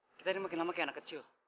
kita ini makin lama kayak anak kecil